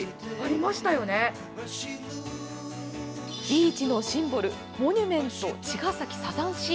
ビーチのシンボル、モニュメント茅ヶ崎サザンＣ。